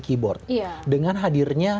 keyboard dengan hadirnya